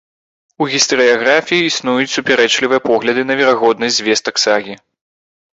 У гістарыяграфіі існуюць супярэчлівыя погляды на верагоднасць звестак сагі.